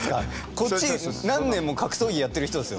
こっち何年も格闘技やってる人ですよ。